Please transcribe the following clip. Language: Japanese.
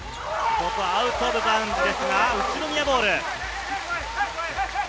ここはアウトオブバウンズですが、宇都宮ボール。